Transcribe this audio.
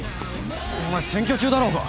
お前選挙中だろうが。